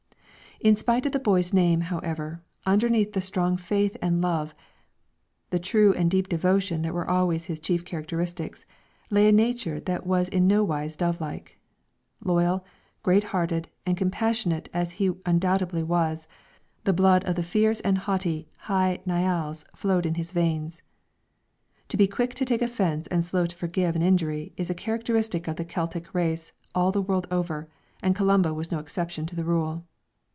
In spite of the boy's name, however, underneath the strong faith and love, the true and deep devotion that were always his chief characteristics, lay a nature that was in no wise dovelike. Loyal, great hearted, and compassionate as he undoubtedly was, the blood of the fierce and haughty Hy Nialls flowed in his veins. To be quick to take offence and slow to forgive an injury is a characteristic of the Celtic race all the world over, and Columba was no exception to the rule.